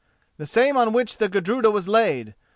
"The same on which the Gudruda was laid.